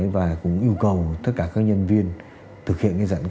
và cũng yêu cầu tất cả các nhân viên thực hiện cái giải phòng